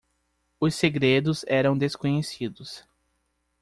Os segredos eram desconhecidos.